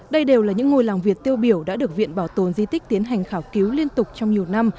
đây đều là những ngôi làng việt tiêu biểu đã được viện bảo tồn di tích tiến hành khảo cứu liên tục trong nhiều năm